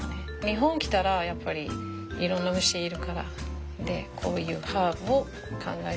日本来たらやっぱりいろんな虫いるからこういうハーブを考えて一緒に混ぜる。